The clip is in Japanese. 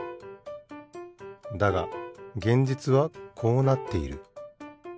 だが現実はこうなっている。